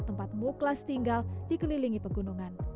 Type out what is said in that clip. tempat muklas tinggal dikelilingi pegunungan